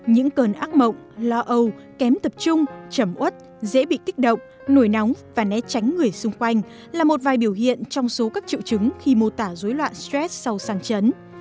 những cơn ác mộng lo âu kém tập trung chấm út dễ bị kích động nổi nóng và né tránh người xung quanh là một vài biểu hiện trong số các triệu chứng khi mô tả dối loạn stress sau sang chấn